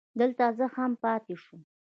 دلته زه هم پاتې شوم.